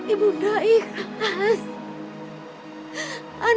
ibu unda ikhlas